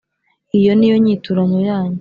Iyo ni yo nyiturano yanyu